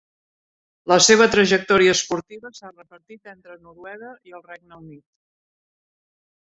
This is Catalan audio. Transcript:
La seva trajectòria esportiva s'ha repartit entre Noruega i el Regne Unit.